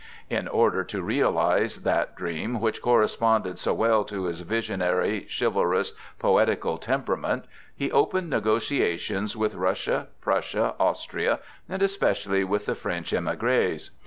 In order to realize that dream which corresponded so well to his visionary, chivalrous, poetical temperament, he opened negotiations with Russia, Prussia, Austria, and especially with the French émigrés.